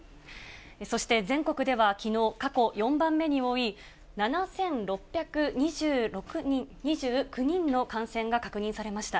そして全国ではきのう、過去４番目に多い７６２９人の感染が確認されました。